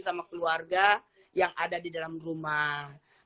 sama keluarga yang ada di dalam rumah